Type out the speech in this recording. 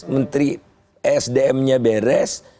menteri sdm nya beres